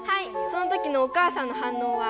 そのときのお母さんの反応は？